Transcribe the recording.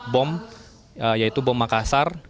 bom yaitu bom makassar